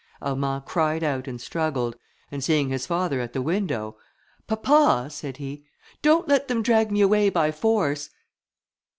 Armand cried out and struggled, and, seeing his father at the window, "Papa," said he, "don't let them drag me away by force."